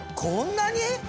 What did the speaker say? こんなに！？